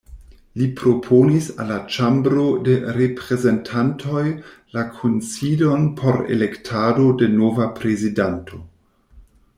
Li proponis al la Ĉambro de Reprezentantoj la kunsidon por elektado de nova prezidanto.